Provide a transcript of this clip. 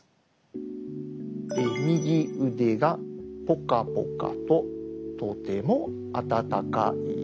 「右腕がポカポカととても温かい」。